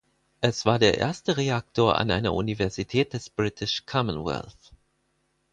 Es war der erste Reaktor an einer Universität des British Commonwealth.